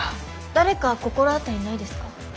誰か心当たりないですか？